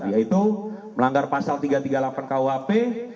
yaitu melanggar pasal tiga ratus tiga puluh delapan kuhp